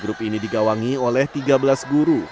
grup ini digawangi oleh tiga belas guru